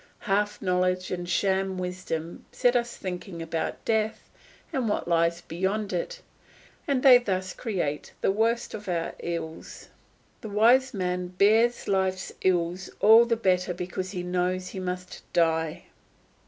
Half knowledge and sham wisdom set us thinking about death and what lies beyond it; and they thus create the worst of our ills. The wise man bears life's ills all the better because he knows he must die.